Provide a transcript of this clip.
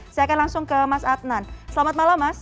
saya akan langsung ke mas adnan selamat malam mas